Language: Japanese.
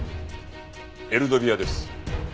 エルドビアです。